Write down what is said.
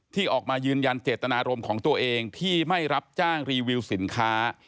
ที่ออกมายืนยันเจตนารมณ์ของตัวเองที่ไม่รับจ้างรีวิวสินค้า